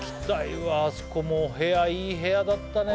あそこも部屋いい部屋だったね